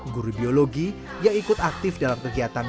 guru biologi yang ikut aktif dalam kegiatan